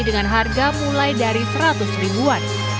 dengan harga mulai dari seratus ribuan